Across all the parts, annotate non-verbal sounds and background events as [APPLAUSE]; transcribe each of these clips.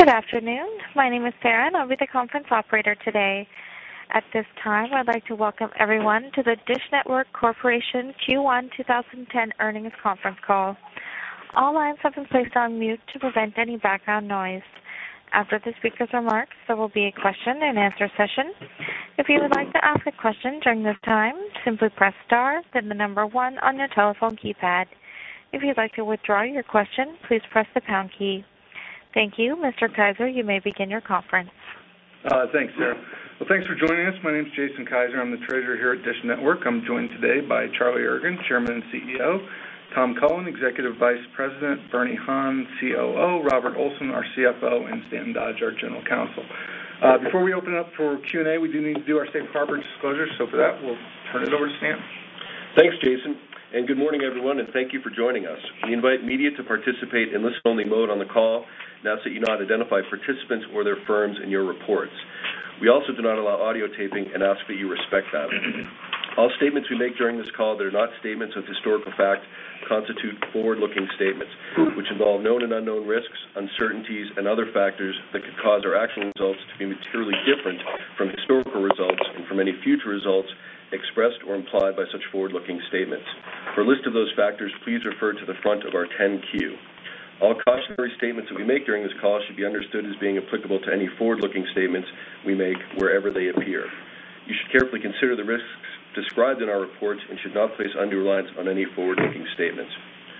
Good afternoon. My name is Sarah, and I'll be the conference operator today. At this time, I'd like to welcome everyone to the DISH Network Corporation Q1 2010 earnings conference call. All lines have been placed on mute to prevent any background noise. After the speaker's remarks, there will be a Q&A session. If you would like to ask a question during this time, simply press star then the number one on your telephone keypad. If you'd like to withdraw your question, please press the pound key. Thank you. Mr. Kiser, you may begin your conference. Thanks, Sarah. Well, thanks for joining us. My name is Jason Kiser. I'm the Treasurer here at DISH Network. I'm joined today by Charlie Ergen, Chairman and CEO, Tom Cullen, Executive Vice President, Bernie Han, COO, Robert Olson, our CFO, and Stanton Dodge, our General Counsel. Before we open up for Q&A, we do need to do our safe harbor disclosure. For that, we'll turn it over to Stan. Thanks, Jason, good morning, everyone, and thank you for joining us. We invite media to participate in listen-only mode on the call and that's so you know how to identify participants or their firms in your reports. We also do not allow audio taping and ask that you respect that. All statements we make during this call they are not statements of historical fact constitute forward-looking statements which involve known and unknown risks, uncertainties and other factors that could cause our actual results to be materially different from historical results and from any future results expressed or implied by such forward-looking statements. For a list of those factors, please refer to the front of our 10-Q. All cautionary statements that we make during this call should be understood as being applicable to any forward-looking statements we make wherever they appear. You should carefully consider the risks described in our reports and should not place undue reliance on any forward-looking statements.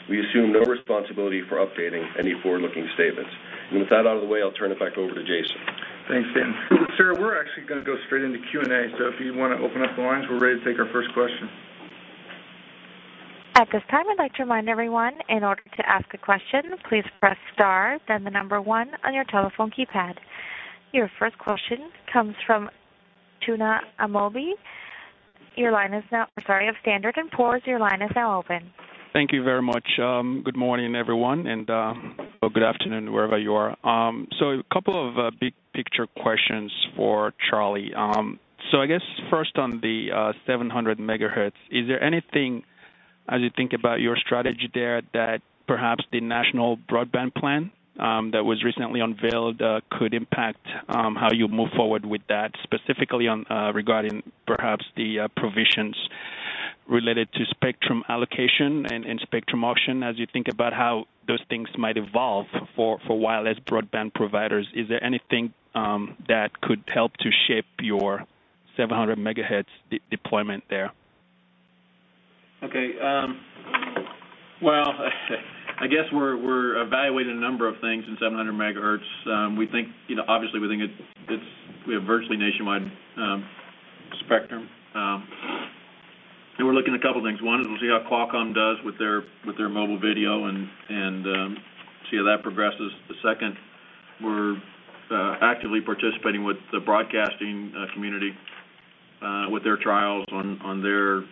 We assume no responsibility for updating any forward-looking statements. With that out of the way, I'll turn it back over to Jason. Thanks, Stan. Sarah, we're actually gonna go straight into Q&A. If you wanna open up the lines, we're ready to take our first question. At this time, I'd like to remind everyone in order to ask a question, please press star then the number one on your telephone keypad. Your first question comes from Tuna Amobi of Standard & Poor's. Your line is now open. Thank you very much. Good morning, everyone, and or good afternoon, wherever you are. A couple of big picture questions for Charlie. I guess first on the 700 MHz, is there anything, as you think about your strategy there, that perhaps the National Broadband Plan that was recently unveiled could impact how you move forward with that, specifically on regarding perhaps the provisions related to spectrum allocation and spectrum option as you think about how those things might evolve for wireless broadband providers? Is there anything that could help to shape your 700 MHz deployment there? Okay. Well, I guess we're evaluating a number of things in 700 MHz. We think, you know, obviously we think it's, we have virtually nationwide spectrum. We're looking at a couple things. One is we'll see how Qualcomm does with their mobile video and see how that progresses. The second, we're actively participating with the broadcasting community with their trials on their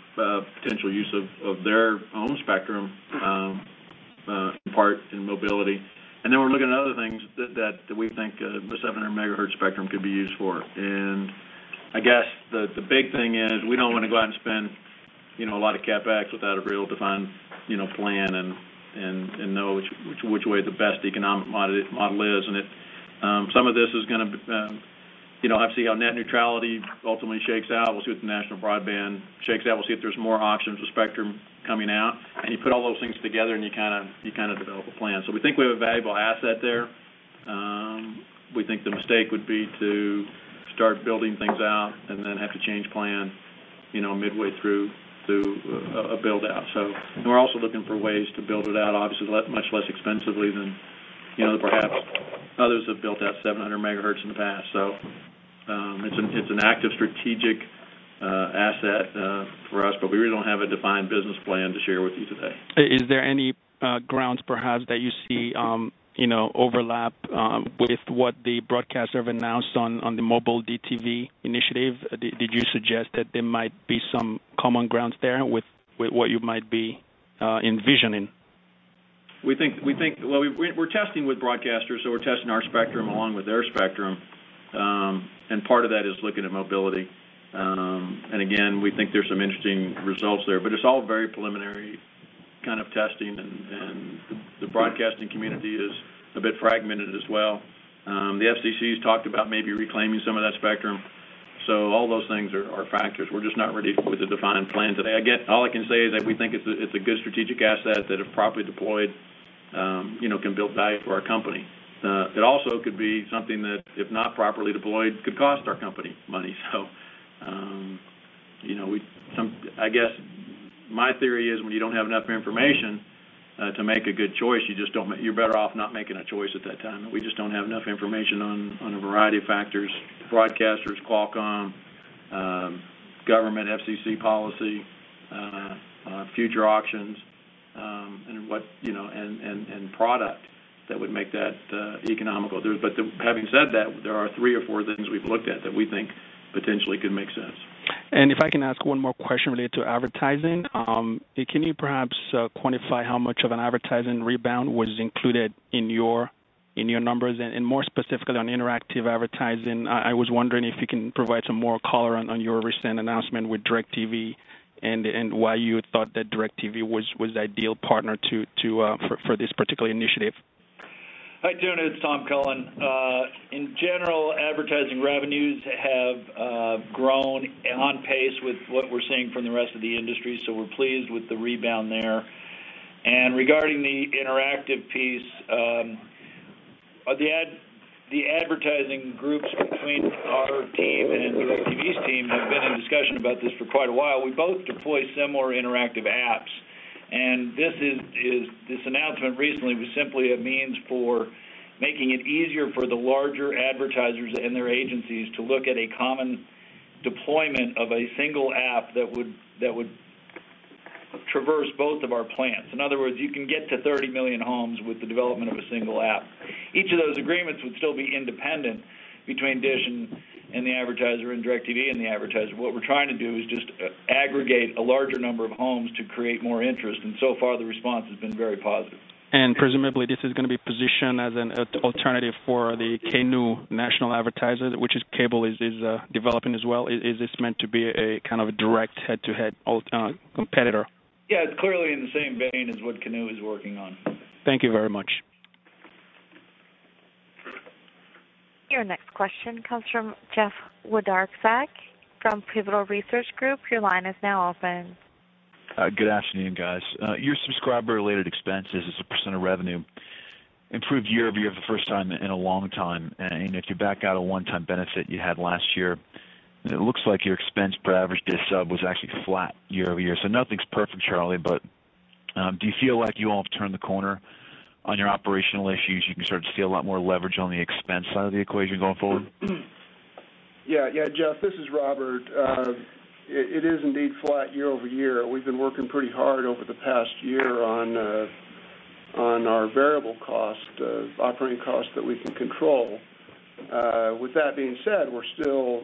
potential use of their own spectrum in part in mobility. Then we're looking at other things that we think the 700 MHz spectrum could be used for. I guess the big thing is we don't wanna go out and spend, you know, a lot of CapEx without a real defined, you know, plan and know which way the best economic model is. Some of this is gonna, you know, have to see how net neutrality ultimately shakes out. We'll see what the National Broadband shakes out. We'll see if there's more auctions or spectrum coming out. You put all those things together and you kinda develop a plan. We think we have a valuable asset there. We think the mistake would be to start building things out and then have to change plan, you know, midway through to a build-out. We're also looking for ways to build it out, obviously, much less expensively than, you know, perhaps others have built out 700 MHz in the past. It's an active strategic asset for us, but we really don't have a defined business plan to share with you today. Is there any grounds perhaps that you see, you know, overlap with what the broadcasters have announced on the Mobile DTV initiative? Did you suggest that there might be some common grounds there with what you might be envisioning? We think, well, we're testing with broadcasters, so we're testing our spectrum along with their spectrum. Part of that is looking at mobility. Again, we think there's some interesting results there. It's all very preliminary kind of testing and the broadcasting community is a bit fragmented as well. The FCC has talked about maybe reclaiming some of that spectrum. All those things are factors. We're just not ready with a defined plan today. Again, all I can say is that we think it's a good strategic asset that if properly deployed, you know, can build value for our company. It also could be something that, if not properly deployed, could cost our company money. You know, I guess my theory is when you don't have enough information to make a good choice, you're better off not making a choice at that time. We just don't have enough information on a variety of factors, broadcasters, Qualcomm, government FCC policy, future auctions, and product that would make that economical. Having said that, there are three or four things we've looked at that we think potentially could make sense. If I can ask one more question related to advertising. Can you perhaps quantify how much of an advertising rebound was included in your, in your numbers? More specifically on interactive advertising, I was wondering if you can provide some more color on your recent announcement with DIRECTV and why you thought that DIRECTV was the ideal partner for this particular initiative? Hi, Tuna. It's Tom Cullen. In general, advertising revenues have grown on pace with what we're seeing from the rest of the industry, so we're pleased with the rebound there. Regarding the interactive piece, the advertising groups between our team and DIRECTV's team have been in discussion about this for quite a while. We both deploy similar interactive apps, and this announcement recently was simply a means for making it easier for the larger advertisers and their agencies to look at a common deployment of a single app that would traverse both of our plans. In other words, you can get to 30 million homes with the development of a single app. Each of those agreements would still be independent between DISH and the advertiser and DIRECTV and the advertiser. What we're trying to do is just aggregate a larger number of homes to create more interest. So far, the response has been very positive. Presumably, this is going to be positioned as an alternative for the Canoe national advertiser, which is cable is developing as well. Is this meant to be a kind of a direct head-to-head alt competitor? Yeah, it's clearly in the same vein as what Canoe is working on. Thank you very much. Your next question comes from Jeff Wlodarczak from Pivotal Research Group. Your line is now open. Good afternoon, guys. Your subscriber-related expenses as a percent of revenue improved year-over-year for the first time in a long time. If you back out a one-time benefit you had last year, it looks like your expense per average DISH sub was actually flat year-over-year. Nothing's perfect, Charlie, but, do you feel like you all have turned the corner on your operational issues? You can start to see a lot more leverage on the expense side of the equation going forward? Yeah. Jeff, this is Robert. It is indeed flat year-over-year. We've been working pretty hard over the past year on our variable cost operating costs that we can control. With that being said, we're still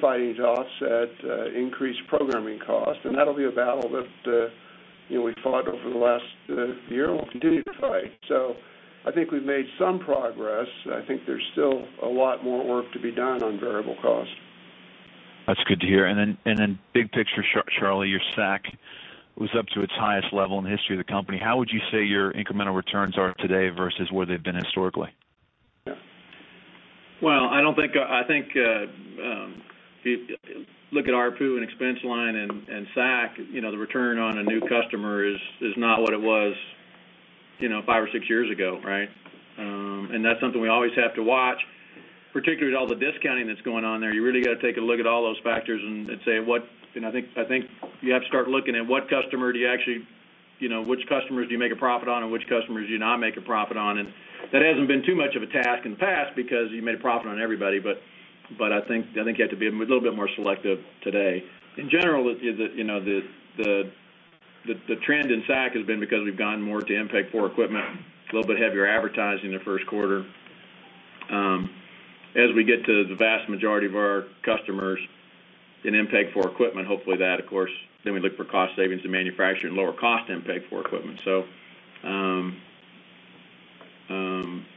fighting to offset increased programming costs, and that'll be a battle that, you know, we fought over the last year and we'll continue to fight. I think we've made some progress. I think there's still a lot more work to be done on variable costs. That's good to hear. Then big picture, Charlie, your SAC was up to its highest level in the history of the company. How would you say your incremental returns are today versus where they've been historically? Well, I don't think, I think, if you look at ARPU and expense line and SAC, you know, the return on a new customer is not what it was, you know, five or six years ago, right? That's something we always have to watch, particularly with all the discounting that's going on there. You really gotta take a look at all those factors and say what, you know, I think you have to start looking at what customer do you actually, you know, which customers do you make a profit on and which customers do you not make a profit on. That hasn't been too much of a task in the past because you made a profit on everybody. I think you have to be a little bit more selective today. In general, you know, the trend in SAC has been because we've gotten more to MPEG-4 equipment, a little bit heavier advertising in the first quarter. As we get to the vast majority of our customers in MPEG-4 equipment, hopefully that, of course, then we look for cost savings in manufacturing, lower cost MPEG-4 equipment.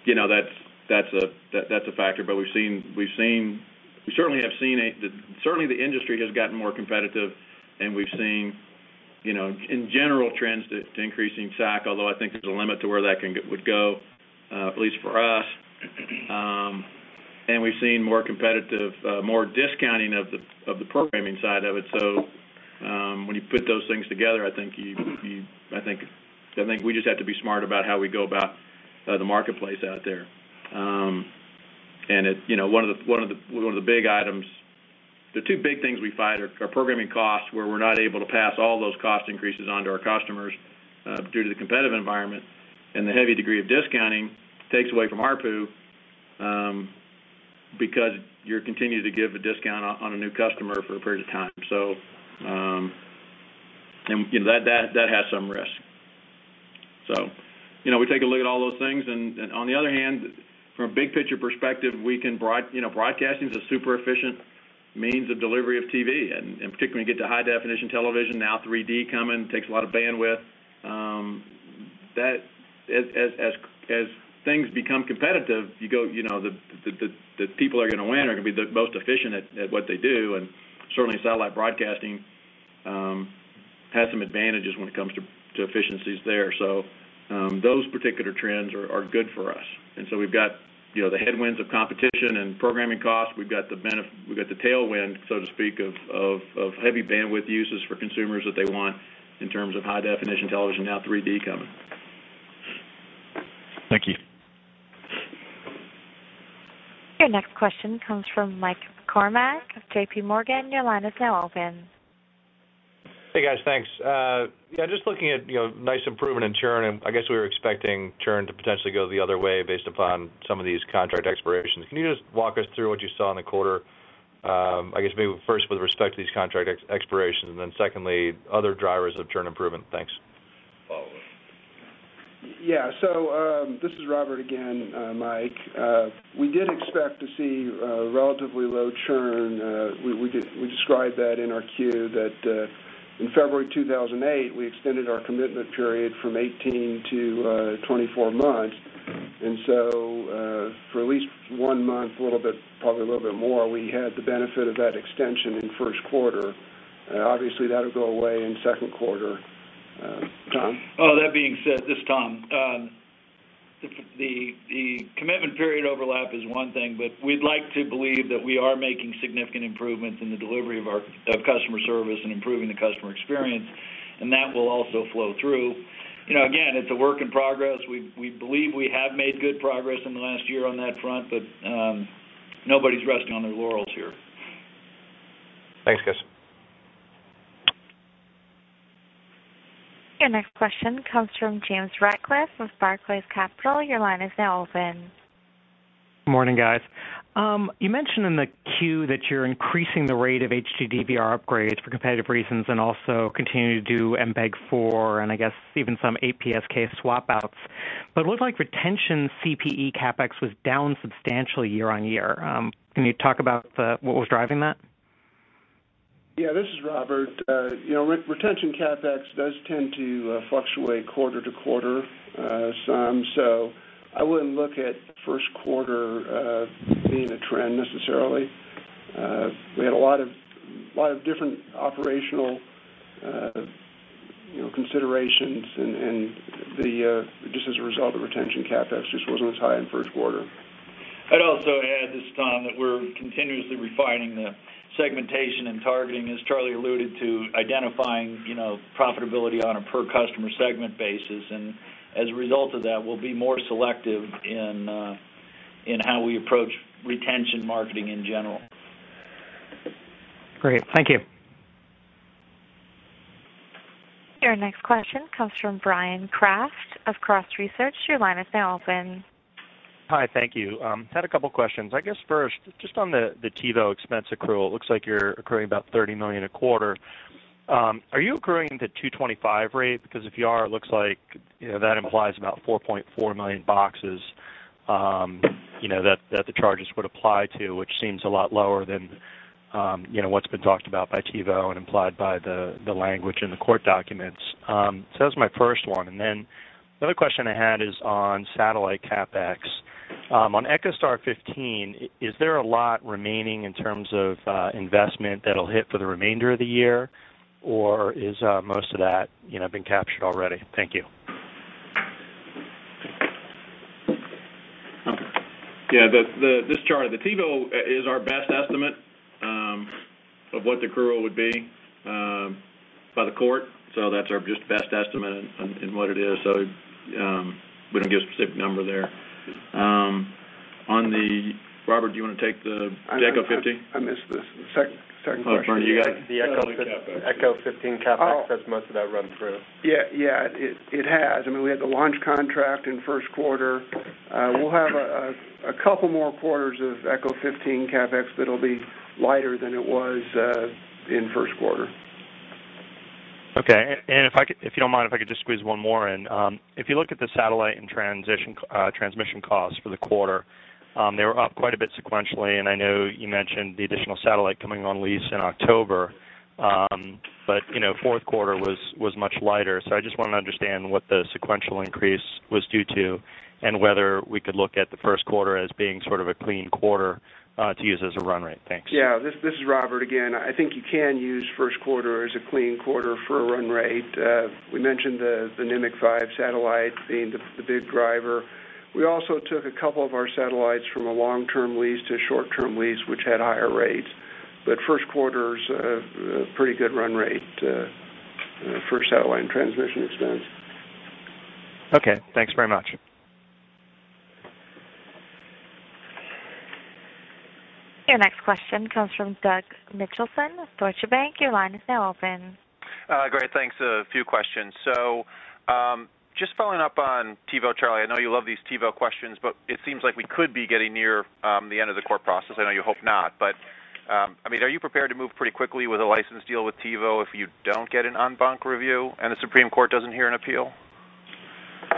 you know, that's a factor. Certainly, the industry has gotten more competitive, and we've seen, you know, in general, trends to increasing SAC, although I think there's a limit to where that would go, at least for us. We've seen more competitive, more discounting of the programming side of it. When you put those things together, I think we just have to be smart about how we go about the marketplace out there. You know, one of the big items, the two big things we fight are programming costs, where we're not able to pass all those cost increases on to our customers due to the competitive environment, and the heavy degree of discounting takes away from ARPU because you're continuing to give a discount on a new customer for a period of time. That has some risk. You know, we take a look at all those things. On the other hand, from a big picture perspective, broadcasting is a super efficient means of delivery of TV, particularly when you get to high definition television, now 3D coming, takes a lot of bandwidth. That as things become competitive, you go, you know, the people are gonna win are gonna be the most efficient at what they do. Certainly, satellite broadcasting has some advantages when it comes to efficiencies there. Those particular trends are good for us. We've got, you know, the headwinds of competition and programming costs. We've got the tailwind, so to speak, of heavy bandwidth uses for consumers that they want in terms of high definition television, now 3D coming. Thank you. Your next question comes from Mike McCormack of JPMorgan. Your line is now open. Hey, guys. Thanks. Yeah, just looking at, you know, nice improvement in churn. I guess we were expecting churn to potentially go the other way based upon some of these contract expirations. Can you just walk us through what you saw in the quarter, I guess maybe first with respect to these contract expirations, then secondly, other drivers of churn improvement? Thanks. Yeah. This is Robert again, Mike. We did expect to see relatively low churn. We described that in our 10-Q, that in February 2008, we extended our commitment period from 18 to 24 months. For at least one month, a little bit, probably a little bit more, we had the benefit of that extension in first quarter. Obviously, that'll go away in second quarter. Tom? That being said, this is Tom. The commitment period overlap is one thing, but we'd like to believe that we are making significant improvements in the delivery of customer service and improving the customer experience, and that will also flow through. You know, again, it's a work in progress. We believe we have made good progress in the last year on that front, but nobody's resting on their laurels here. Thanks, guys. Your next question comes from James Ratcliffe with Barclays Capital. Your line is now open. Morning, guys. You mentioned in the queue that you're increasing the rate of HD DVR upgrades for competitive reasons and also continue to do MPEG-4 and I guess even some 8PSK swap outs. It looked like retention CPE CapEx was down substantially year-on-year. Can you talk about what was driving that? This is Robert. You know, retention CapEx does tend to fluctuate quarter to quarter. I wouldn't look at first quarter being a trend necessarily. We had a lot of different operational, you know, considerations and just as a result, the retention CapEx just wasn't as high in first quarter. I'd also add, this is Tom, that we're continuously refining the segmentation and targeting, as Charlie alluded to, identifying, you know, profitability on a per customer segment basis. As a result of that, we'll be more selective in how we approach retention marketing in general. Great. Thank you. Your next question comes from Bryan Kraft of Cross Research. Your line is now open. Hi, thank you. Had a couple questions. I guess first, just on the TiVo expense accrual, it looks like you're accruing about $30 million a quarter. Are you accruing the $2.25 rate? If you are, it looks like, you know, that implies about 4.4 million boxes, you know, that the charges would apply to, which seems a lot lower than, you know, what's been talked about by TiVo and implied by the language in the court documents. That was my first one. The other question I had is on satellite CapEx. On EchoStar XV, is there a lot remaining in terms of investment that'll hit for the remainder of the year, or is most of that, you know, been captured already? Thank you. Yeah, this is Charlie, the TiVo is our best estimate of what the accrual would be by the court. That's our just best estimate on what it is. We don't give a specific number there. Robert, do you wanna take the EchoStar XV? I missed the second question. [CROSSTALK] The EchoStar XV CapEx, has most of that run through? Yeah, yeah, it has. I mean, we had the launch contract in first quarter. We'll have a couple more quarters of EchoStar XV CapEx that'll be lighter than it was in first quarter. Okay. If I could, if you don't mind, if I could just squeeze one more in. If you look at the satellite and transition transmission costs for the quarter, they were up quite a bit sequentially, and I know you mentioned the additional satellite coming on lease in October. You know, fourth quarter was much lighter. I just wanna understand what the sequential increase was due to and whether we could look at the first quarter as being sort of a clean quarter to use as a run rate. Thanks. Yeah. This is Robert again. I think you can use first quarter as a clean quarter for a run rate. We mentioned the AMC-5 satellite being the big driver. We also took a couple of our satellites from a long-term lease to a short-term lease, which had higher rates. First quarter's a pretty good run rate for satellite and transmission expense. Okay. Thanks very much. Your next question comes from Doug Mitchelson, Deutsche Bank. Your line is now open. Great. Thanks. A few questions. Just following up on TiVo, Charlie, I know you love these TiVo questions, but it seems like we could be getting near the end of the court process. I know you hope not, but I mean, are you prepared to move pretty quickly with a license deal with TiVo if you don't get an en banc review and the Supreme Court doesn't hear an appeal?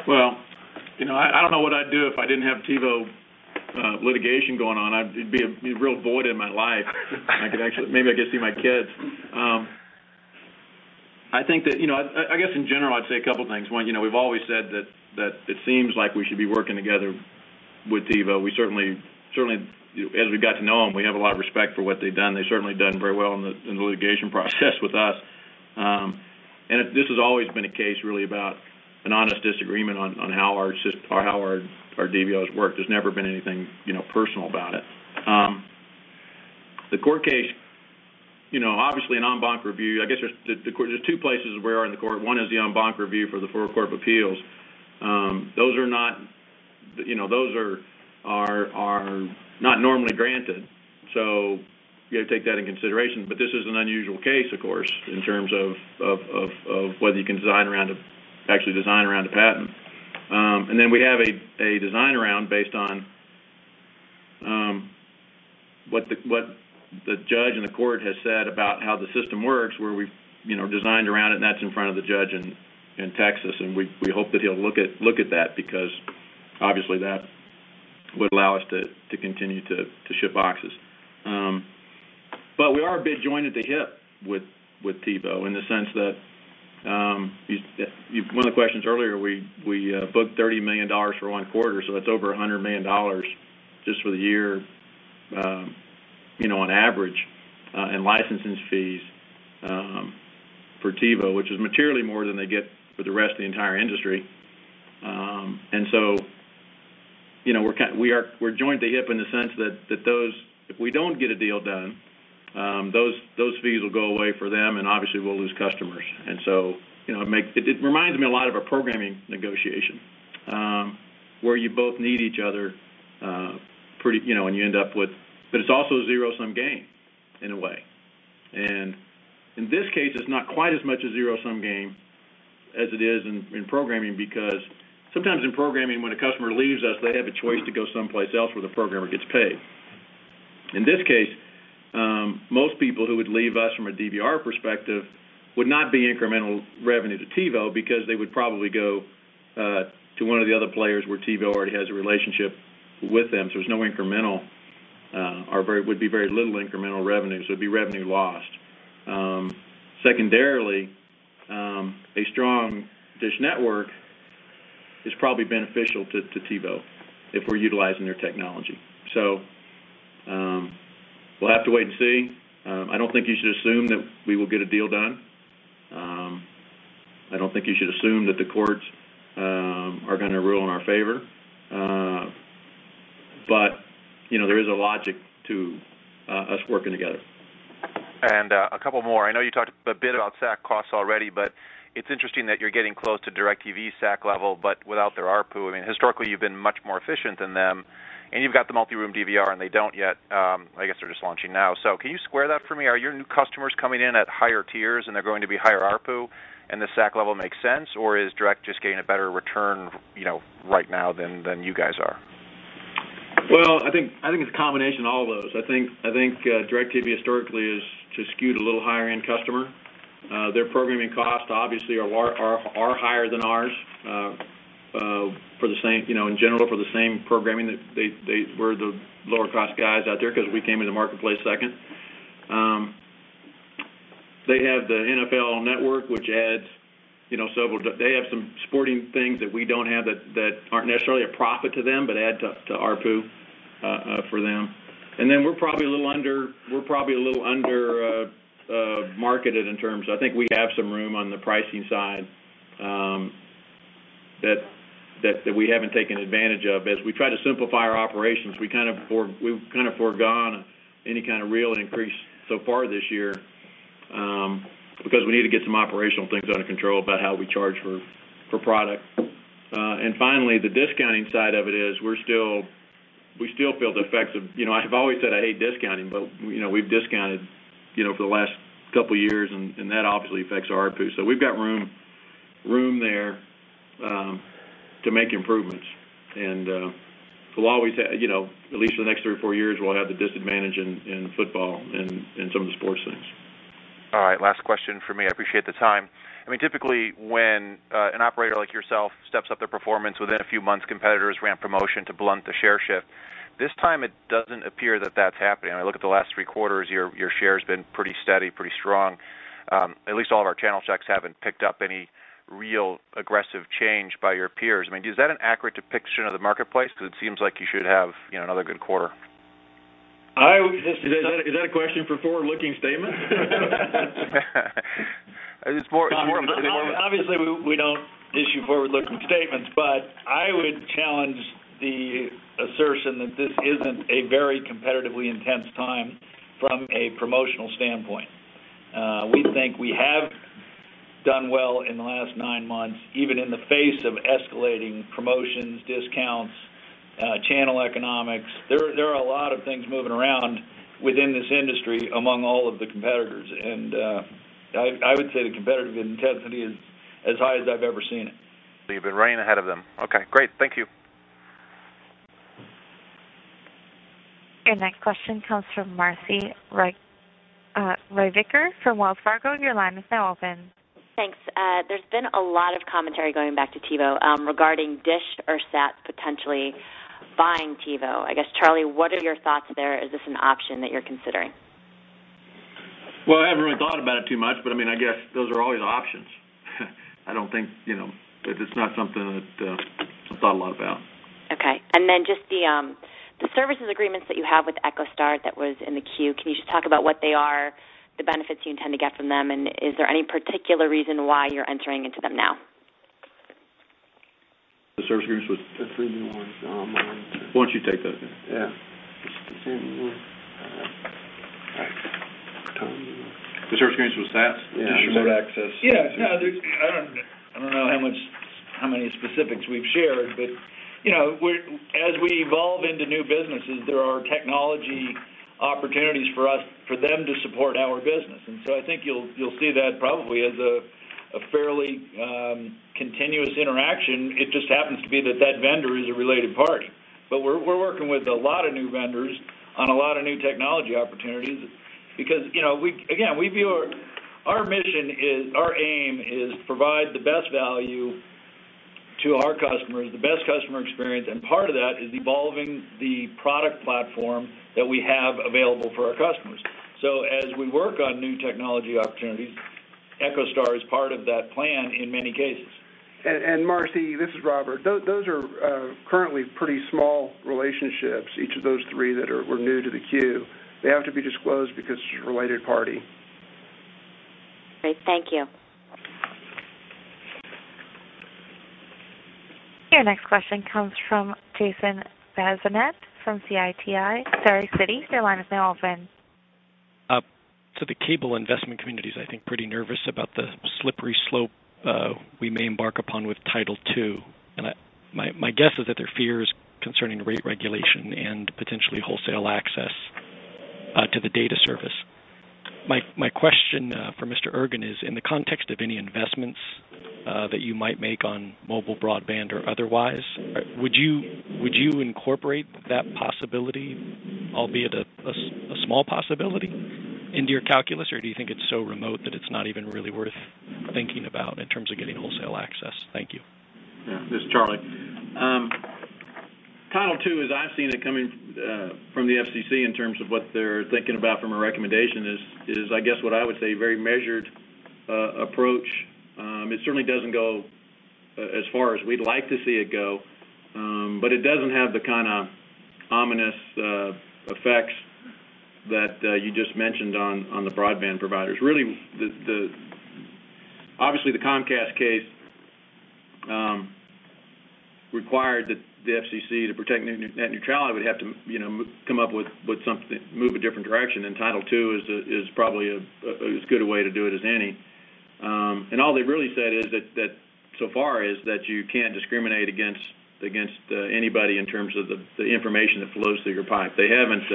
Well, you know, I don't know what I'd do if I didn't have TiVo litigation going on. It'd be a real void in my life. I could actually. Maybe I could see my kids. I think that, you know, I guess in general, I'd say a couple things. One, you know, we've always said that it seems like we should be working together with TiVo. We certainly, as we got to know them, we have a lot of respect for what they've done. They've certainly done very well in the litigation process with us. And this has always been a case really about an honest disagreement on how our DVRs work. There's never been anything, you know, personal about it. The court case, you know, obviously an en banc review. There's two places where in the court, one is the en banc review for the Fourth Circuit Court of Appeals. Those are not, you know, those are not normally granted. You have to take that in consideration. This is an unusual case, of course, in terms of whether you can actually design around a patent. We have a design around based on what the judge and the court has said about how the system works, where we've, you know, designed around it, and that's in front of the judge in Texas. We hope that he'll look at that because obviously that would allow us to continue to ship boxes. We are a bit joined at the hip with TiVo in the sense that, one of the questions earlier, we booked $30 million for one quarter, so that's over $100 million just for the year, you know, on average, in licensing fees for TiVo, which is materially more than they get for the rest of the entire industry. You know, we're joined at the hip in the sense that if we don't get a deal done, those fees will go away for them, and obviously we'll lose customers. You know, it reminds me a lot of our programming negotiation, where you both need each other, pretty. It's also a zero-sum game in a way. In this case, it's not quite as much a zero-sum game as it is in programming because sometimes in programming when a customer leaves us, they have a choice to go someplace else where the programmer gets paid. In this case, most people who would leave us from a DVR perspective would not be incremental revenue to TiVo because they would probably go to one of the other players where TiVo already has a relationship with them. There's no incremental, or would be very little incremental revenue, so it'd be revenue lost. Secondarily, a strong DISH Network is probably beneficial to TiVo if we're utilizing their technology. We'll have to wait and see. I don't think you should assume that we will get a deal done. I don't think you should assume that the courts are gonna rule in our favor. You know, there is a logic to us working together. A couple more. I know you talked a bit about SAC costs already, but it's interesting that you're getting close to DIRECTV SAC level, but without their ARPU. I mean, historically, you've been much more efficient than them, and you've got the multi-room DVR, and they don't yet. I guess they're just launching now. Can you square that for me? Are your new customers coming in at higher tiers and they're going to be higher ARPU, and the SAC level makes sense, or is DIRECT just getting a better return, you know, right now than you guys are? Well, I think it's a combination of all those. I think DIRECTV historically is too skewed a little higher end customer. Their programming costs obviously are higher than ours for the same, you know, in general, for the same programming that they were the lower cost guys out there because we came into the marketplace second. They have the NFL Network, which adds, you know, They have some sporting things that we don't have that aren't necessarily a profit to them, but add to ARPU for them. We're probably a little under marketed. I think we have some room on the pricing side that we haven't taken advantage of. As we try to simplify our operations, we've kind of forgone any kind of real increase so far this year because we need to get some operational things under control about how we charge for product. Finally, the discounting side of it is we still feel the effects of, you know, I have always said I hate discounting, but, you know, we've discounted, you know, for the last couple years and that obviously affects our ARPU. We've got room there to make improvements. We'll always, you know, at least for the next three or four years, we'll have the disadvantage in football and some of the sports things. All right. Last question from me. I appreciate the time. I mean, typically, when an operator like yourself steps up their performance within a few months, competitors ramp promotion to blunt the share shift. This time it doesn't appear that that's happening. I look at the last three quarters, your share has been pretty steady, pretty strong. At least all of our channel checks haven't picked up any real aggressive change by your peers. I mean, is that an accurate depiction of the marketplace? Because it seems like you should have, you know, another good quarter. I would, is that a question for forward-looking statements? Obviously, we don't issue forward-looking statements, but I would challenge the assertion that this isn't a very competitively intense time from a promotional standpoint. We think we have done well in the last nine months, even in the face of escalating promotions, discounts, channel economics. There are a lot of things moving around within this industry among all of the competitors. I would say the competitive intensity is as high as I've ever seen it. You've been running ahead of them. Okay, great. Thank you. Your next question comes from Marci Ryvicker from Wells Fargo. Your line is now open. Thanks. There's been a lot of commentary going back to TiVo regarding DISH or SAT potentially buying TiVo. I guess, Charlie, what are your thoughts there? Is this an option that you're considering? Well, I haven't really thought about it too much, but I mean, I guess those are always options. I don't think, you know it's not something that I've thought a lot about. Okay. Then just the services agreements that you have with EchoStar that was in the 10-Q, can you just talk about what they are, the benefits you intend to get from them, and is there any particular reason why you're entering into them now? The service agreements with- The three new ones. Why don't you take that? Yeah. The same one. Tom? The service agreements with SATs? Yeah. Remote access. I don't know how many specifics we've shared, but, you know, as we evolve into new businesses, there are technology opportunities for us, for them to support our business. I think you'll see that probably as a fairly continuous interaction. It just happens to be that that vendor is a related party. We're working with a lot of new vendors on a lot of new technology opportunities because, you know, again, we view our mission is, our aim is to provide the best value to our customers, the best customer experience, and part of that is evolving the product platform that we have available for our customers. As we work on new technology opportunities, EchoStar is part of that plan in many cases. Marci, this is Robert. Those are currently pretty small relationships, each of those three that were new to the 10-Q. They have to be disclosed because it's a related party. Great. Thank you. Your next question comes from Jason Bazinet from Citi. Your line is now open. The cable investment community is, I think, pretty nervous about the slippery slope we may embark upon with Title II. My guess is that their fear is concerning rate regulation and potentially wholesale access to the data service. My question for Mr. Ergen is, in the context of any investments that you might make on mobile broadband or otherwise, would you incorporate that possibility, albeit a small possibility into your calculus? Do you think it's so remote that it's not even really worth thinking about in terms of getting wholesale access? Thank you. Yeah. This is Charlie. Title II, as I've seen it coming from the FCC in terms of what they're thinking about from a recommendation is I guess what I would say very measured approach. It certainly doesn't go as far as we'd like to see it go. It doesn't have the kind of ominous effects that you just mentioned on the broadband providers. Really, obviously, the Comcast case required that the FCC to protect net neutrality would have to, you know, come up with something, move a different direction, Title II is probably as good a way to do it as any. All they really said is that so far is that you can't discriminate against anybody in terms of the information that flows through your pipe. They haven't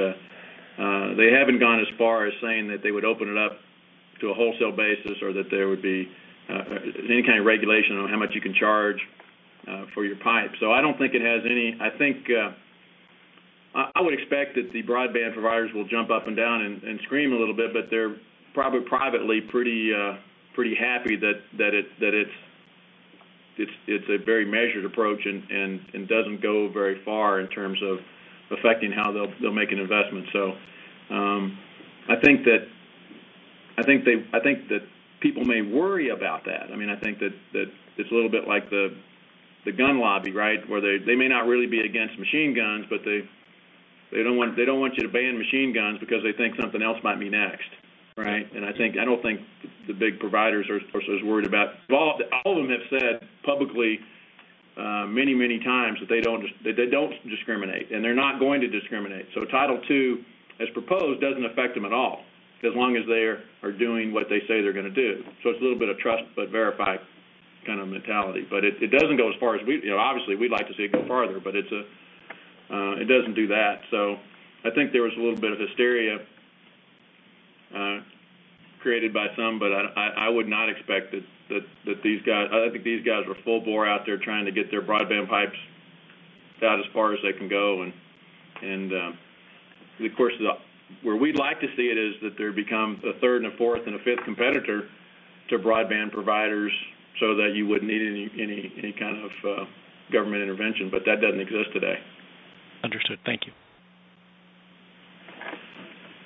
gone as far as saying that they would open it up to a wholesale basis or that there would be any kind of regulation on how much you can charge for your pipe. I don't think it has any. I think I would expect that the broadband providers will jump up and down and scream a little bit, but they're probably privately pretty happy that it's a very measured approach and doesn't go very far in terms of affecting how they'll make an investment. I think that people may worry about that. I mean, I think that it's a little bit like the gun lobby, right? Where they may not really be against machine guns, but they don't want, they don't want you to ban machine guns because they think something else might be next, right? I don't think the big providers are as worried about, all of them have said publicly, many, many times that they don't discriminate, and they're not going to discriminate. Title II, as proposed, doesn't affect them at all, as long as they are doing what they say they're gonna do. It's a little bit of trust but verify kind of mentality. You know, obviously, we'd like to see it go farther, but it's, it doesn't do that. I think there was a little bit of hysteria created by some, but I would not expect that I think these guys were full bore out there trying to get their broadband pipes out as far as they can go. Where we'd like to see it is that there become a third and a fourth and a fifth competitor to broadband providers so that you wouldn't need any kind of government intervention, but that doesn't exist today. Understood. Thank you.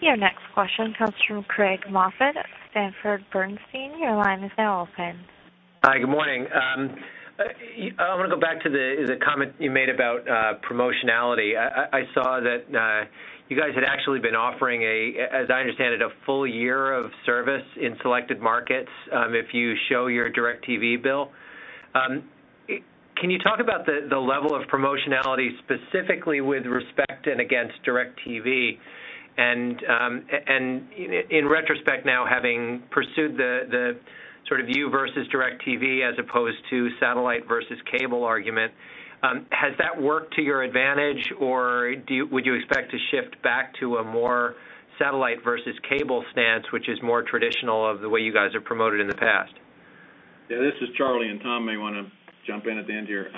Your next question comes from Craig Moffett at Sanford Bernstein. Your line is now open. Hi, good morning. I wanna go back to the comment you made about promotionality. I saw that you guys had actually been offering as I understand it, a full year of service in selected markets, if you show your DIRECTV bill. Can you talk about the level of promotionality specifically with respect and against DIRECTV? In retrospect now, having pursued the sort of you versus DIRECTV as opposed to satellite versus cable argument, has that worked to your advantage, or would you expect to shift back to a more satellite versus cable stance, which is more traditional of the way you guys have promoted in the past? Yeah, this is Charlie. Tom may want to jump in at the end here.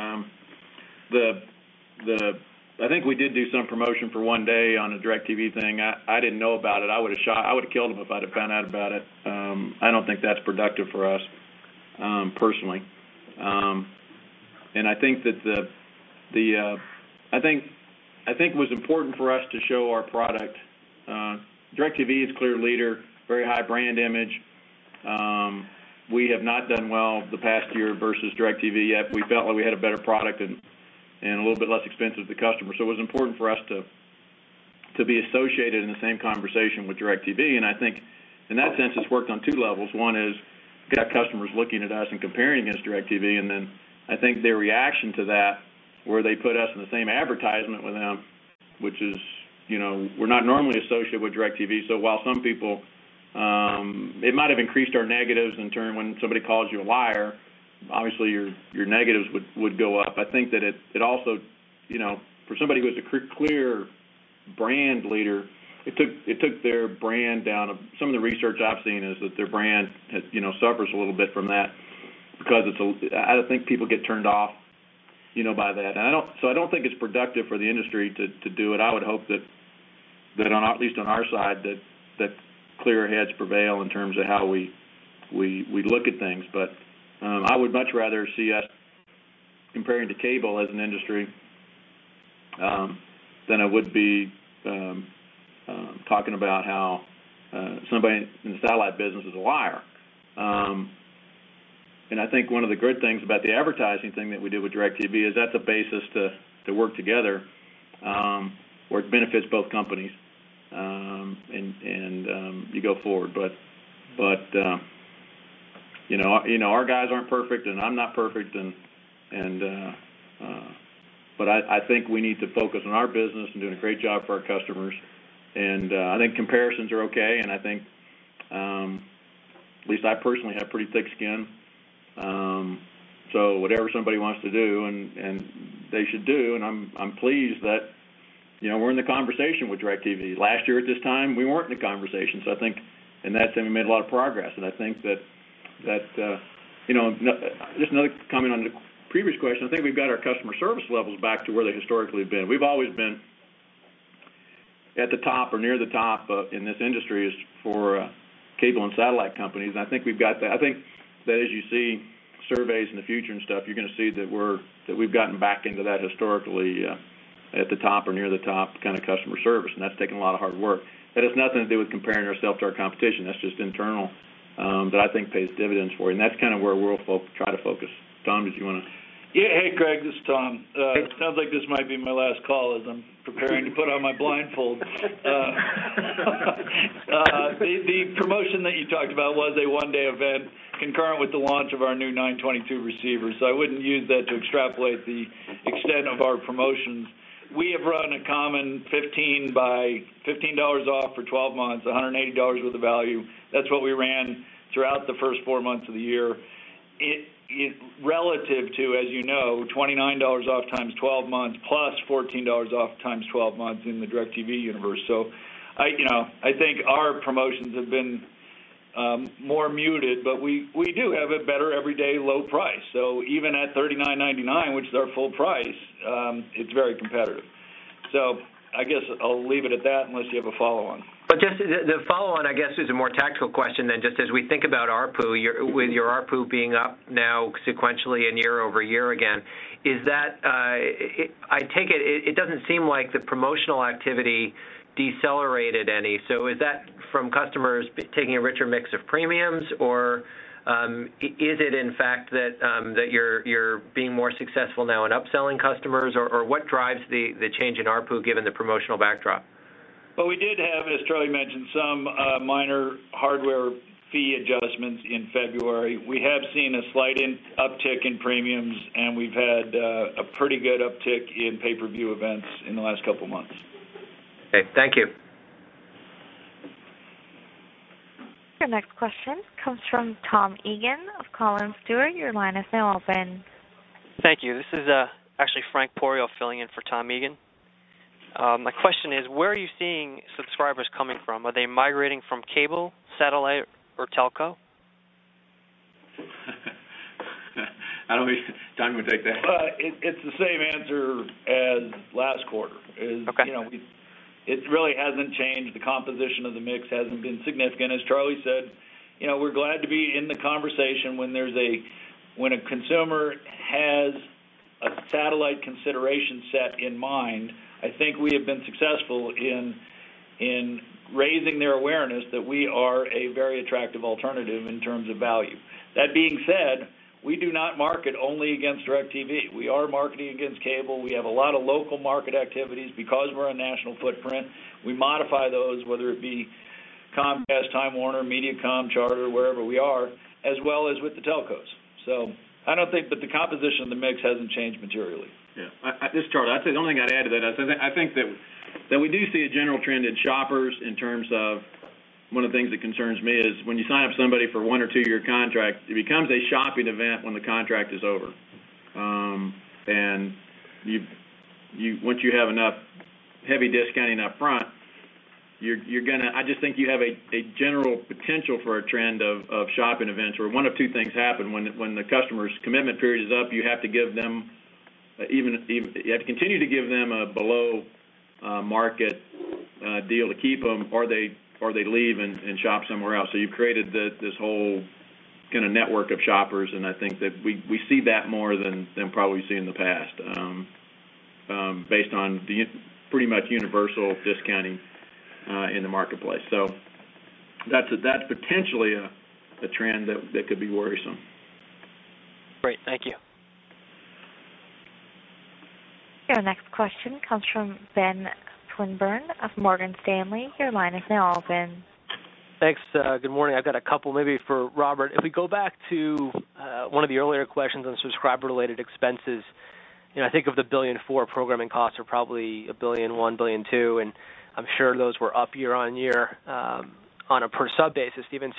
I think we did do some promotion for one day on a DIRECTV thing. I didn't know about it. I would've killed him if I'd have found out about it. I don't think that's productive for us personally. I think that, I think it was important for us to show our product. DIRECTV is clear leader, very high brand image. We have not done well the past year versus DIRECTV, yet we felt like we had a better product and a little bit less expensive to customers. It was important for us to be associated in the same conversation with DIRECTV. I think in that sense, it's worked on two levels. One is we've got customers looking at us and comparing against DIRECTV. Then I think their reaction to that, where they put us in the same advertisement with them, which is, you know, we're not normally associated with DIRECTV. While some people, it might have increased our negatives in turn, when somebody calls you a liar, obviously your negatives would go up. I think that it also, you know, for somebody who has a clear brand leader, it took their brand down. Some of the research I've seen is that their brand has, you know, suffers a little bit from that because I think people get turned off, you know, by that. I don't think it's productive for the industry to do it. I would hope that on at least on our side that clear heads prevail in terms of how we look at things. I would much rather see us comparing to cable as an industry than I would be talking about how somebody in the satellite business is a liar. I think one of the good things about the advertising thing that we did with DIRECTV is that's a basis to work together where it benefits both companies and you go forward. you know, our guys aren't perfect, and I'm not perfect and I think we need to focus on our business and doing a great job for our customers. I think comparisons are okay, and I think at least I personally have pretty thick skin. Whatever somebody wants to do and they should do, and I'm pleased that, you know, we're in the conversation with DIRECTV. Last year, at this time, we weren't in the conversation. I think in that sense we made a lot of progress. I think that, you know, just another comment on the previous question, I think we've got our customer service levels back to where they historically have been. We've always been at the top or near the top in this industry as for cable and satellite companies. I think we've got that. I think that as you see surveys in the future and stuff, you're gonna see that we've gotten back into that historically, at the top or near the top kinda customer service, and that's taken a lot of hard work. That has nothing to do with comparing ourselves to our competition. That's just internal, that I think pays dividends for you. That's kind of where we'll try to focus. Tom, did you wanna? Yeah. Hey, Craig, this is Tom. It sounds like this might be my last call as I'm preparing to put on my blindfold. The promotion that you talked about was a one-day event concurrent with the launch of our new ViP922 receiver. I wouldn't use that to extrapolate the extent of our promotions. We have run a common $15 off for 12 months, a $180 worth of value. That's what we ran throughout the first four months of the year. It relative to, as you know, $29 off x 12 months plus $14 off x 12 months in the DIRECTV universe. I, you know, I think our promotions have been more muted, but we do have a better everyday low price. Even at $39.99, which is our full price, it's very competitive. I guess I'll leave it at that unless you have a follow on. Just the follow on I guess is a more tactical question then just as we think about ARPU, with your ARPU being up now sequentially and year-over-year again, is that, I take it doesn't seem like the promotional activity decelerated any. Is that from customers taking a richer mix of premiums or, is it in fact that you're being more successful now in upselling customers or, what drives the change in ARPU given the promotional backdrop? We did have, as Charlie mentioned, some minor hardware fee adjustments in February. We have seen a slight uptick in premiums, and we've had a pretty good uptick in pay-per-view events in the last couple months. Okay. Thank you. Your next question comes from Tom Eagan of Collins Stewart. Your line is now open. Thank you. This is actually Frank Poerio filling in for Tom Eagan. My question is, where are you seeing subscribers coming from? Are they migrating from cable, satellite, or telco? I don't know if Tom would take that. It's the same answer as last quarter. Okay. You know, it really hasn't changed. The composition of the mix hasn't been significant. As Charlie said, you know, we're glad to be in the conversation when a consumer has a satellite consideration set in mind, I think we have been successful in raising their awareness that we are a very attractive alternative in terms of value. That being said, we do not market only against DIRECTV. We are marketing against cable. We have a lot of local market activities. Because we're a national footprint, we modify those, whether it be Comcast, Time Warner, Mediacom, Charter, wherever we are, as well as with the telcos. I don't think that the composition of the mix hasn't changed materially. This is Charlie, I'd say the only thing I'd add to that, I said I think that we do see a general trend in shoppers in terms of one of the things that concerns me is when you sign up somebody for one or two year contract, it becomes a shopping event when the contract is over. Once you have enough heavy discounting up front, you're gonna. I just think you have a general potential for a trend of shopping events where one of two things happen. When the customer's commitment period is up, you have to give them even, you have to continue to give them a below market deal to keep them, or they leave and shop somewhere else. You've created this whole kinda network of shoppers, and I think that we see that more than probably we've seen in the past, based on the pretty much universal discounting in the marketplace. That's potentially a trend that could be worrisome. Great. Thank you. Your next question comes from Ben Swinburne of Morgan Stanley. Your line is now open. Thanks. Good morning. I've got a couple maybe for Robert. If we go back to one of the earlier questions on subscriber related expenses, you know, I think of the $1.4 billion programming costs are probably $1.1 billion, $1.2 billion, and I'm sure those were up year-on-year on a per sub basis even.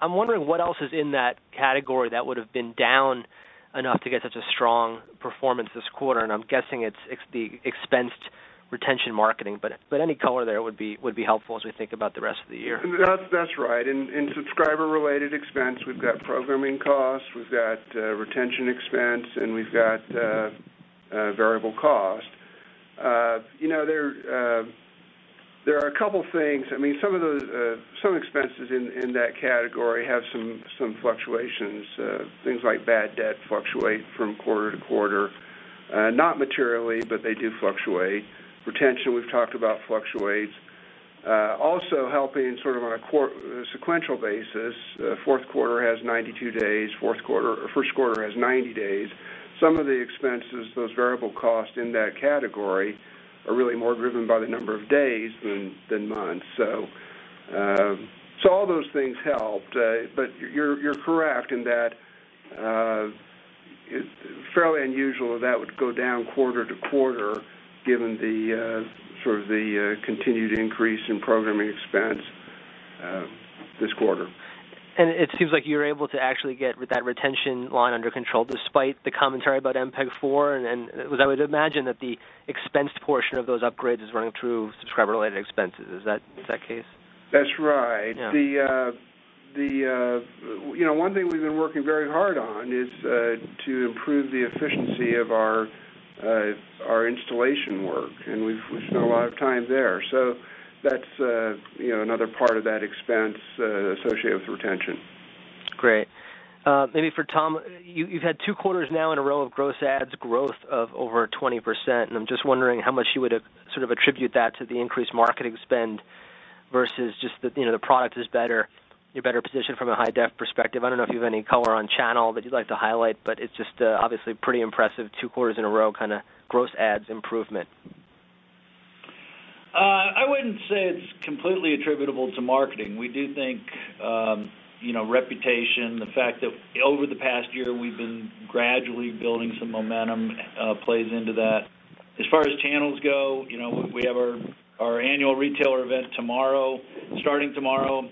I'm wondering what else is in that category that would have been down enough to get such a strong performance this quarter, and I'm guessing it's the expensed retention marketing. Any color there would be, would be helpful as we think about the rest of the year. That's right. In subscriber related expense, we've got programming costs, we've got retention expense, and we've got variable cost. There are a couple things. Some of those, some expenses in that category have some fluctuations. Things like bad debt fluctuate from quarter to quarter. Not materially, but they do fluctuate. Retention, we've talked about, fluctuates. Also helping on a sequential basis, fourth quarter has 92 days, or first quarter has 90 days. Some of the expenses, those variable costs in that category are really more driven by the number of days than months. All those things helped. You're correct in that it's fairly unusual that would go down quarter to quarter given the continued increase in programming expense this quarter. It seems like you're able to actually get that retention line under control despite the commentary about MPEG-4 and I would imagine that the expensed portion of those upgrades is running through subscriber related expenses. Is that case? That's right. One thing we've been working very hard on is to improve the efficiency of our installation work, and we've spent a lot of time there. That's, you know, another part of that expense, associated with retention. Great. Maybe for Tom, you've had two quarters now in a row of gross adds growth of over 20%, I'm just wondering how much you would sort of attribute that to the increased marketing spend versus just the, you know, the product is better, you're better positioned from a high def perspective. I don't know if you have any color on channel that you'd like to highlight, it's just, obviously pretty impressive two quarters in a row kinda gross adds improvement. I wouldn't say it's completely attributable to marketing. We do think, you know, reputation, the fact that over the past year we've been gradually building some momentum, plays into that. As far as channels go, you know, we have our annual retailer event tomorrow. Starting tomorrow,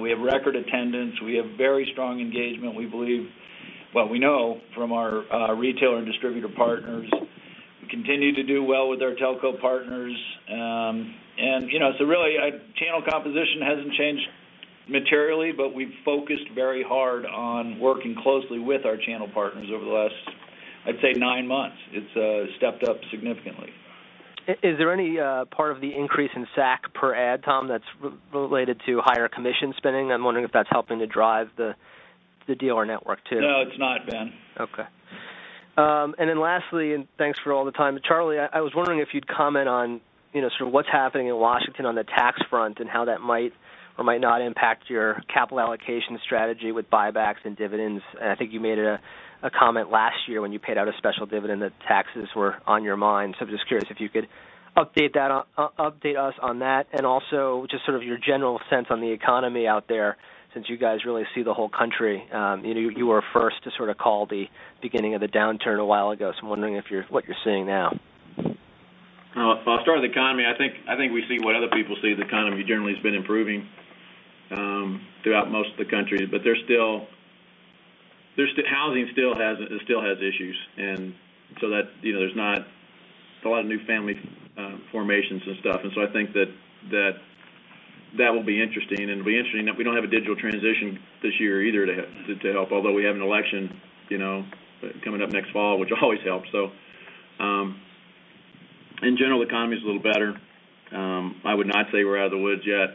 we have record attendance. We have very strong engagement. We know from our retailer and distributor partners, we continue to do well with our telco partners. You know, really, channel composition hasn't changed materially, but we've focused very hard on working closely with our channel partners over the last, I'd say, nine months. It's stepped up significantly. Is there any part of the increase in SAC per add, Tom, that's related to higher commission spending? I'm wondering if that's helping to drive the dealer network too. No, it's not, Ben. Okay. Then lastly, thanks for all the time. Charlie, I was wondering if you'd comment on, you know, sort of what's happening in Washington on the tax front and how that might or might not impact your capital allocation strategy with buybacks and dividends. I think you made a comment last year when you paid out a special dividend that taxes were on your mind. I'm just curious if you could update us on that also just sort of your general sense on the economy out there since you guys really see the whole country. You were first to sort of call the beginning of the downturn a while ago. I'm wondering what you're seeing now? Well, if I'll start with the economy, I think we see what other people see. The economy generally has been improving throughout most of the country. There's still, housing still has issues. That, you know, there's not a lot of new family formations and stuff. I think that will be interesting and it'll be interesting that we don't have a digital transition this year either to help, although we have an election, you know, coming up next fall, which always helps. In general, the economy is a little better. I would not say we're out of the woods yet.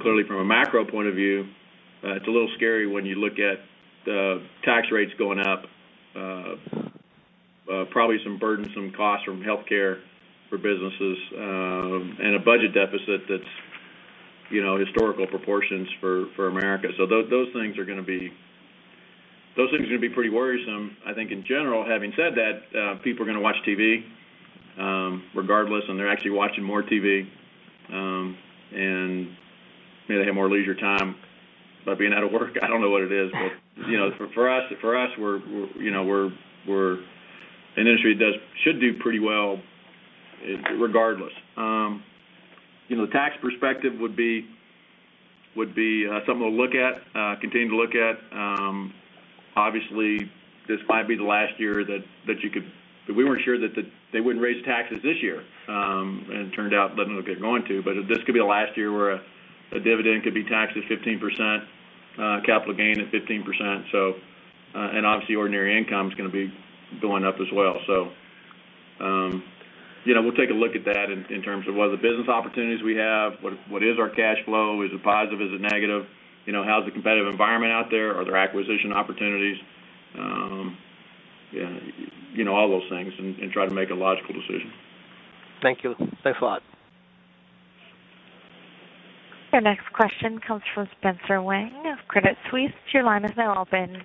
Clearly from a macro point of view, it's a little scary when you look at the tax rates going up, probably some burdensome costs from healthcare for businesses, and a budget deficit that's historical proportions for America. Those things are gonna be pretty worrisome, I think in general. Having said that, people are gonna watch TV, regardless, and they're actually watching more TV, and maybe they have more leisure time by being out of work. I don't know what it is. For us, we're an industry that should do pretty well regardless. The tax perspective would be something to look at, continue to look at. Obviously, this might be the last year. We weren't sure that they wouldn't raise taxes this year, it turned out looking like they're going to. This could be the last year where a dividend could be taxed at 15%, capital gain at 15%. Obviously ordinary income is going to be going up as well. You know, we'll take a look at that in terms of what other business opportunities we have, what is our cash flow, is it positive, is it negative? You know, how's the competitive environment out there? Are there acquisition opportunities? You know, all those things and try to make a logical decision. Thank you. Thanks a lot. Your next question comes from Spencer Wang of Credit Suisse. Your line is now open.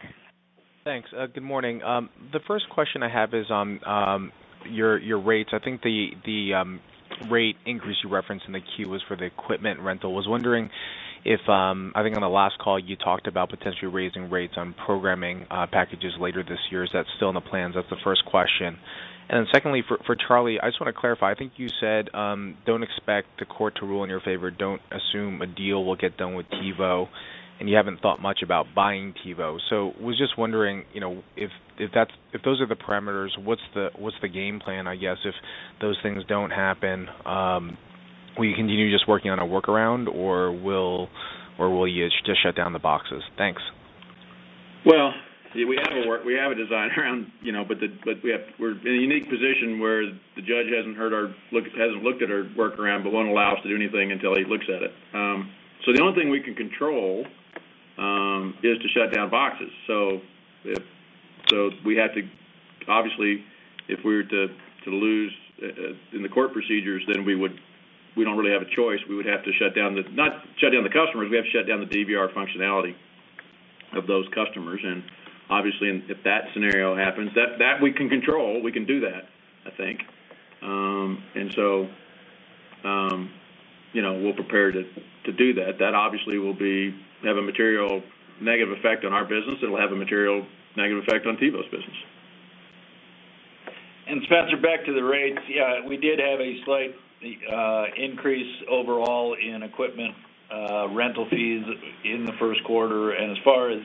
Thanks. Good morning. The first question I have is on your rates. I think the rate increase you referenced in the 10-Q was for the equipment rental. Was wondering if, I think on the last call you talked about potentially raising rates on programming packages later this year. Is that still in the plans? That's the first question. Secondly, for Charlie, I just want to clarify. I think you said, don't expect the court to rule in your favor. Don't assume a deal will get done with TiVo, and you haven't thought much about buying TiVo. Was just wondering, you know, if those are the parameters, what's the game plan, I guess, if those things don't happen? Will you continue just working on a workaround or will you just shut down the boxes? Thanks. Well, we have a design around, you know, but we're in a unique position where the judge hasn't heard our hasn't looked at our workaround, but won't allow us to do anything until he looks at it. The only thing we can control is to shut down boxes. If we had to obviously, if we were to lose in the court procedures, then we don't really have a choice. We would have to shut down, not shut down the customers, we have to shut down the DVR functionality of those customers, and obviously, and if that scenario happens, that we can control, we can do that, I think. You know, we're prepared to do that. That obviously will have a material negative effect on our business. It'll have a material negative effect on TiVo's business. Spencer, back to the rates. Yeah, we did have a slight increase overall in equipment rental fees in the first quarter. As far as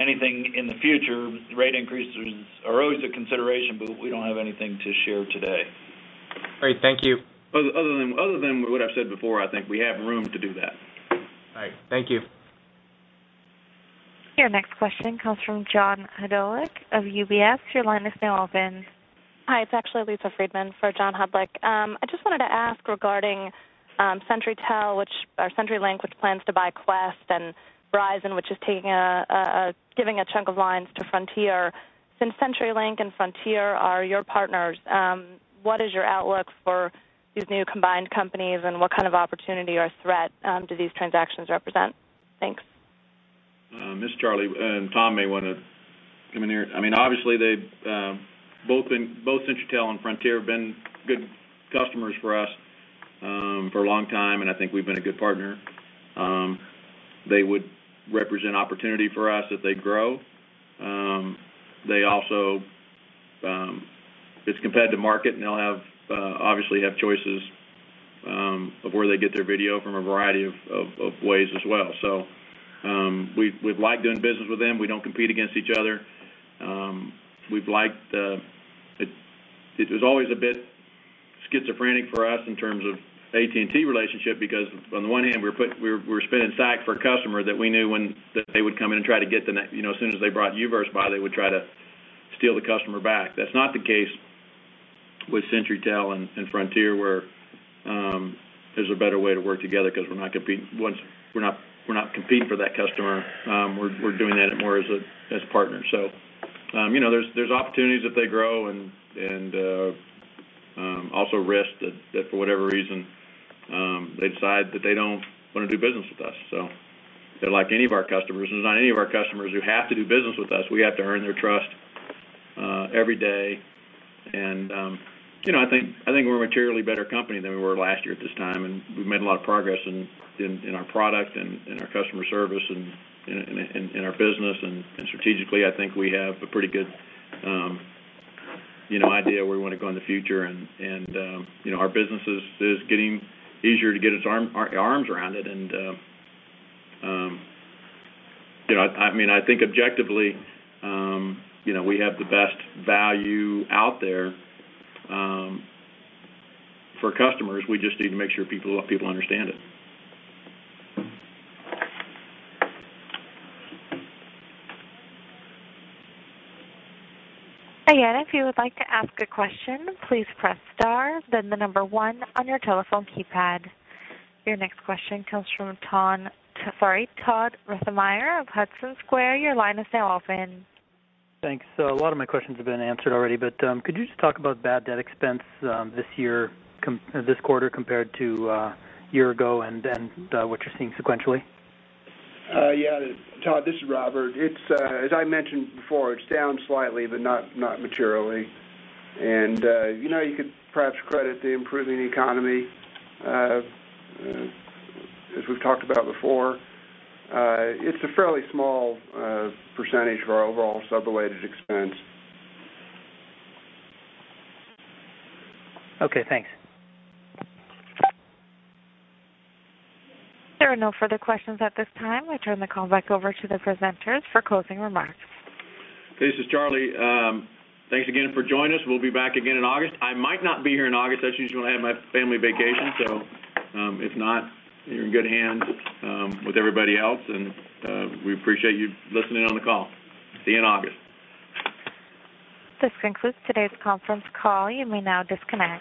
anything in the future, rate increases are always a consideration, but we don't have anything to share today. Great. Thank you. Other than what I've said before, I think we have room to do that. All right. Thank you. Your next question comes from John Hodulik of UBS. Your line is now open. Hi, it's actually Lisa Friedman for John Hodulik. I just wanted to ask regarding CenturyTel or CenturyLink, which plans to buy Qwest and Verizon, which is giving a chunk of lines to Frontier. Since CenturyLink and Frontier are your partners, what is your outlook for these new combined companies, and what kind of opportunity or threat do these transactions represent? Thanks. This is Charlie, and Tom may wanna come in here. I mean, obviously they've both been, both CenturyTel and Frontier have been good customers for us for a long time, and I think we've been a good partner. They would represent opportunity for us if they grow. They also, it's competitive market, and they'll have obviously have choices of where they get their video from a variety of ways as well. We've liked doing business with them. We don't compete against each other. We've liked, it was always a bit schizophrenic for us in terms of AT&T relationship because on the one hand, we were spending SAC for a customer that we knew that they would come in and try to get you know, as soon as they brought U-verse by, they would try to steal the customer back. That's not the case with CenturyTel and Frontier, where there's a better way to work together 'cause we're not competing. We're not competing for that customer. We're doing that more as a partner. You know, there's opportunities if they grow and also risk that for whatever reason, they decide that they don't wanna do business with us. They're like any of our customers. And any of our customers who have to do business with us, we have to earn their trust every day. You know, I think we're a materially better company than we were last year at this time, and we've made a lot of progress in our product and in our customer service and in our business. Strategically, I think we have a pretty good, you know, idea where we wanna go in the future. You know, our business is getting easier to get our arms around it. You know, I mean, I think objectively, you know, we have the best value out there for customers. We just need to make sure people understand it. Again, if you would like to ask a question, please press star then the number one on your telephone keypad. Your next question comes from Tom, sorry, Todd Rethmeier of Hudson Square. Your line is now open. Thanks. A lot of my questions have been answered already, but could you just talk about bad debt expense this quarter compared to year ago and then what you're seeing sequentially? Yeah, Todd, this is Robert. It's, as I mentioned before, it's down slightly, but not materially. You know, you could perhaps credit the improving economy. As we've talked about before, it's a fairly small percentage of our overall sub-related expense. Okay. Thanks. There are no further questions at this time. I turn the call back over to the presenters for closing remarks. This is Charlie. Thanks again for joining us. We'll be back again in August. I might not be here in August, as usual, I have my family vacation, so, if not, you're in good hands with everybody else. We appreciate you listening on the call. See you in August. This concludes today's conference call. You may now disconnect.